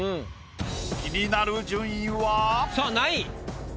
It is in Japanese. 気になる順位は。